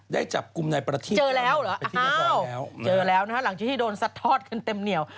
ได้จับกลุ่มในประธิษฐ์ต่อแล้วประธิษฐศาสตร์แล้วอ้าวเจอแล้วหลังจากที่โดนสัดทอดกันเต็มเหนียว